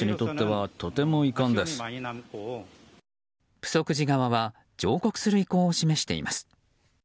プソク寺側は上告する意向を示しています。